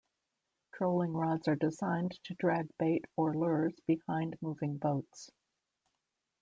Trolling rods are designed to drag bait or lures behind moving boats.